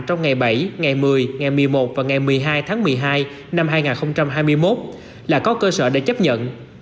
trong ngày bảy ngày một mươi ngày một mươi một và ngày một mươi hai tháng một mươi hai năm hai nghìn hai mươi một là có cơ sở để chấp nhận